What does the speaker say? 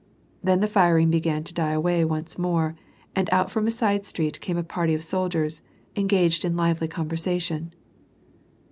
Then the firing began to die away once more and out from a side street came a party of soldiers, engaged in lively conversation.